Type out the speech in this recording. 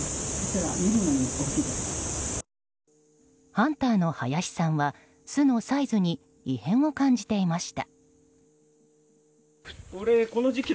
ハンターの林さんは巣のサイズに異変を感じていました。